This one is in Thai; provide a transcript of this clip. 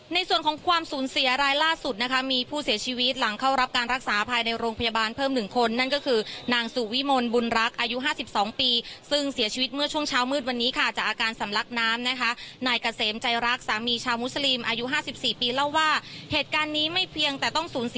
ในส่วนของความสูญเสียรายล่าสุดนะคะมีผู้เสียชีวิตหลังเข้ารับการรักษาภายในโรงพยาบาลเพิ่ม๑คนนั่นก็คือนางสุวิมลบุญรักษ์อายุ๕๒ปีซึ่งเสียชีวิตเมื่อช่วงเช้ามืดวันนี้ค่ะจากอาการสำลักน้ำนะคะนายเกษมใจรักสามีชาวมุสลิมอายุ๕๔ปีเล่าว่าเหตุการณ์นี้ไม่เพียงแต่ต้องสูญเสีย